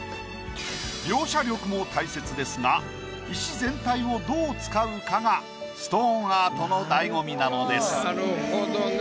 描写力も大切ですが石全体をどう使うかがストーンアートの醍醐味なのです。